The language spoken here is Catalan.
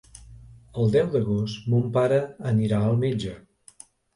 El deu d'agost mon pare anirà al metge.